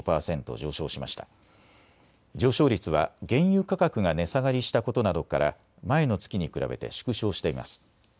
上昇率は原油価格が値下がりしたことなどから前の月に比べて縮小しています。